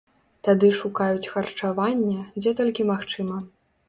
Тады шукаюць харчаванне, дзе толькі магчыма.